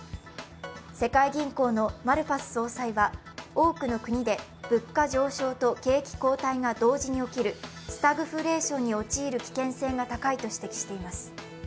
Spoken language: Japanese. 世界銀行のマルパス総裁は多くの国で物価上昇と景気後退が同時に起きるスタグフレーションに陥る危険性が高いと指摘しています。